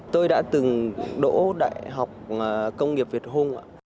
tôi đã từng đổ đại học công nghiệp việt hùng